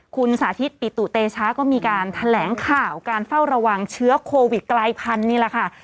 คุณสาธิตปิตุเตชะก็มีการแถลงข่าวการเฝ้าระวังเชื้อโควิดกลายพันธุ์นี่แหละค่ะ